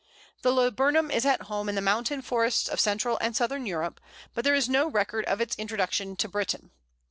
The Laburnum is at home in the mountain forests of Central and Southern Europe, but there is no record of its introduction to Britain.